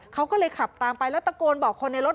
เขาก็เลยขับตามไปแล้วตะโกนบอกคนในรถ